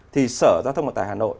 thì sở giao thông bản tài hà nội